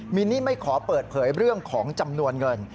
มินนี่ไม่ขอเปิดเผยเรื่องของจำนวนเงิน